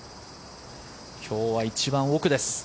今日は一番奥です。